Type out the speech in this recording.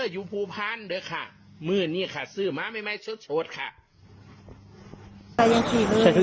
อยู่ภูพันธ์เด้อค่ะมือเนี้ยค่ะซื้อมาไม่ไม่โชว์โชว์โชว์ค่ะ